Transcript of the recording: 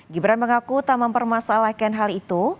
gibran mengaku tak mempermasalahkan hal itu